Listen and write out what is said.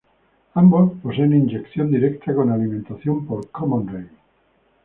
Ambos poseen inyección directa con alimentación por common-rail.